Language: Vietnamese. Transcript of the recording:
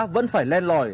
vẫn phải len lòi